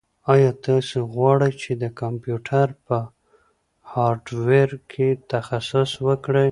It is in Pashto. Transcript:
ایا تاسو غواړئ چې د کمپیوټر په هارډویر کې تخصص وکړئ؟